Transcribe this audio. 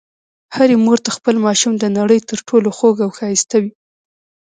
هرې مور ته خپل ماشوم د نړۍ تر ټولو خوږ او ښایسته وي.